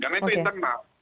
karena itu internal